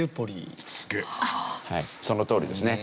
はいそのとおりですね。